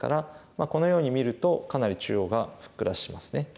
このように見るとかなり中央がふっくらしますね。